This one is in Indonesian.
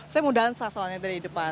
saya mau dansa soalnya dari depan